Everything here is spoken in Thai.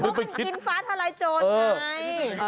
ก็มันกินฟ้าทลายโจรไง